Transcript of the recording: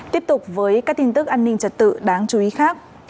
tiếp tục với các tin tức an ninh trật tự đáng chú ý khác